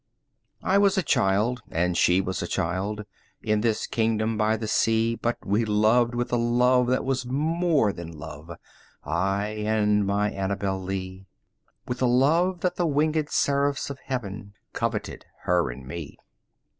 I was a child and she was a child, In this kingdom by the sea, But we loved with a love that was more than love, I and my Annabel Lee; 10 With a love that the winged seraphs of heaven Coveted her and me.